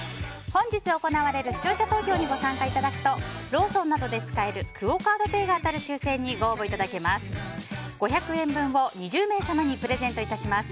本日行われる視聴者投票にご参加いただくとローソンなどで使えるクオ・カードペイが当たる抽選にご応募いただけます。